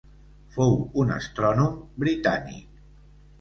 Fou un astrònom britànic.